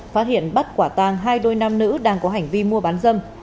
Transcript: phát hiện bắt quả tàng hai đôi nam nữ đang có hành vi mua bán dâm